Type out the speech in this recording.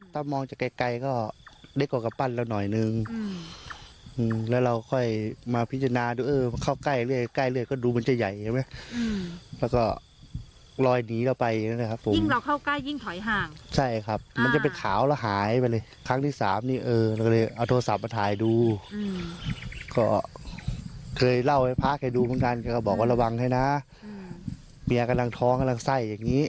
ระวังให้นะเมียกำลังท้องกำลังไส้อย่างนี้